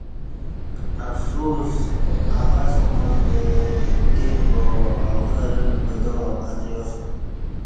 افسوس عبث عمر می تیر باآخر بدا اتریسوم